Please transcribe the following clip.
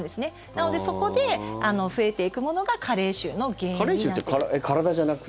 なのでそこで増えていくものが加齢臭の原因になっていく。